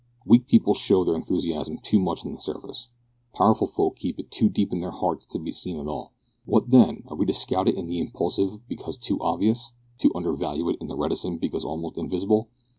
Weak people show their enthusiasm too much on the surface. Powerful folk keep it too deep in their hearts to be seen at all. What then, are we to scout it in the impulsive because too obvious; to undervalue it in the reticent because almost invisible?